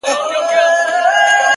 چي پر سر د دې غريب دئ كښېنستلى!.